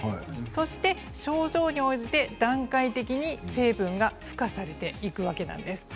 そして症状に応じて段階的に成分が付加されていくわけなんです。